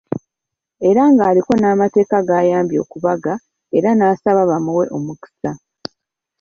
Era ng'aliko n’amateeka g'ayambye okubaga era n'asaba bamuwe omukisa.